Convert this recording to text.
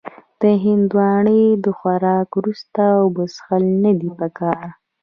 د هندوانې د خوراک وروسته اوبه څښل نه دي پکار.